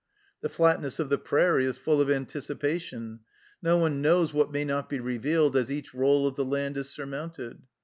The flatness of the prairie is full of anticipation; no one knows what may not be revealed as each roll of the land is surmounted.